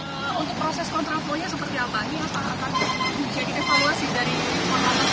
untuk proses kontraplonya seperti apa ini akan jadi evaluasi dari